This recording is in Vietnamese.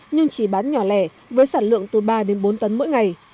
nhưng chỉ bán nhỏ lẻ với sản lượng từ ba đến bốn tấn mỗi ngày